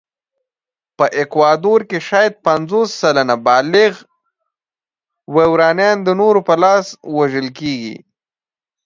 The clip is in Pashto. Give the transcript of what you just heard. په اکوادور کې شاید پنځوس سلنه بالغ وایورانيان د نورو په لاس وژل کېږي.